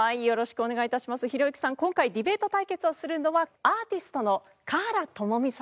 ひろゆきさん今回ディベート対決をするのはアーティストの華原朋美さんです。